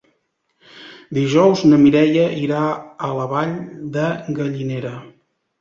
Dijous na Mireia irà a la Vall de Gallinera.